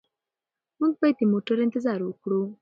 موږ باید د موټر انتظار وکړو.